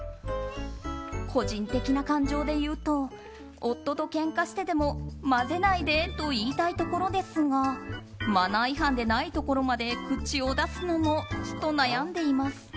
個人的な感情でいうと夫とけんかしてでも混ぜないでと言いたいところですがマナー違反でないところまで口を出すのもと悩んでいます。